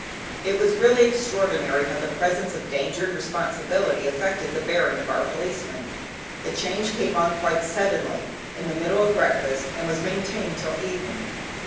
It was really extraordinary how the presence of danger and responsibility affected the bearing of our Policeman. The change came on quite suddenly, in the middle of breakfast, and was maintained till evening.